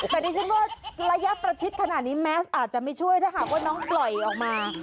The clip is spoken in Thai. แต่ดิฉันว่าระยะประชิดขนาดนี้แมสอาจจะไม่ช่วยถ้าหากว่าน้องปล่อยออกมา